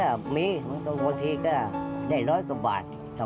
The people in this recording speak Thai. มันก็มีมันก็บางทีก็ได้๑๐๐กว่าบาท๒๐๐